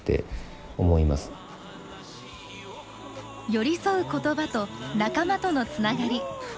寄り添う言葉と仲間とのつながり。